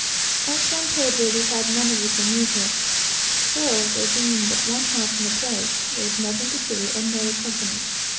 At San Pedro, we had none of this amusement, for, there being but one house in the place, we, of course, had but little company.